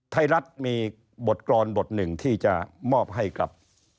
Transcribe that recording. ไทยรัฐมีบทกรอนบทหนึ่งที่จะมอบให้กับ